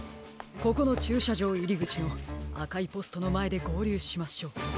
ここのちゅうしゃじょういりぐちのあかいポストのまえでごうりゅうしましょう。